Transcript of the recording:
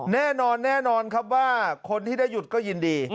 แน่นอนแน่นอนครับว่าคนที่ได้หยุดก็ยินดี